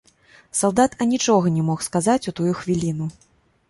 Салдат анічога не мог сказаць у тую хвіліну.